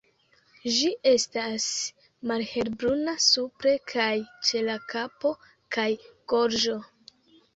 Ĝi estas malhelbruna supre kaj ĉe la kapo kaj gorĝo.